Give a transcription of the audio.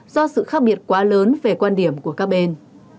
do sự khác biệt quá lớn về quan điểm của các bên